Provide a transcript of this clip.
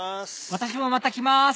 私もまた来ます